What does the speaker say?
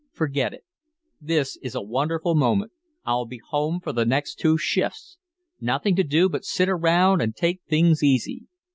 "Forget it. This is a wonderful moment; I'll be home for the next two shifts. Nothing to do but sit around and take things easy.